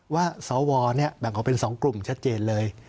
ว่าสวเนี่ยแบ่งเขาเป็นสองกลุ่มชัดเจนเลย